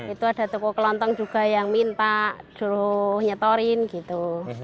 itu ada toko kelontong juga yang minta suruh nyetorin gitu